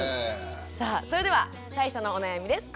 さあそれでは最初のお悩みです。